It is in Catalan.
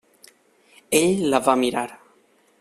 Ell la va mirar.